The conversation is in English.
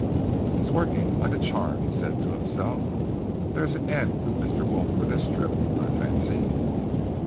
"It's working like a charm," he said to himself. "There's an end of Mr. Wolf for this trip, I fancy."